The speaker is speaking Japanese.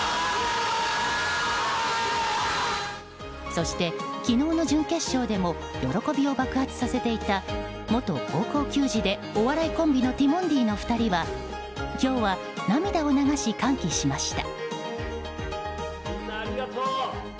そして昨日の準決勝でも喜びを爆発させていた元高校球児でお笑いコンビのティモンディの２人は今日は涙を流し歓喜しました。